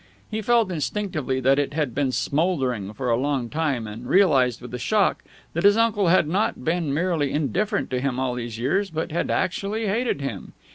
He felt instinctively that it had been smoldering for a long time, and realized with a shock that his uncle had not been merely indifferent to him all these years, but had actually hated him.